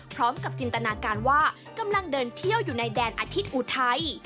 พร้อมกับจินตนาการว่ากำลังเดินเที่ยวอยู่ในแดนอาทิตย์อุทัย